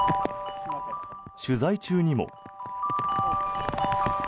取材中にも。